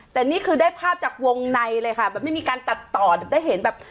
แต่นี่คือได้ภาพจากวงในเลยค่ะแบบไม่มีการตัดต่อได้เห็นแบบ